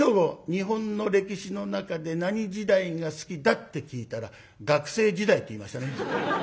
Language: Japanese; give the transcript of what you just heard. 日本の歴史の中で何時代が好きだ？」って聞いたら「学生時代」って言いましたね。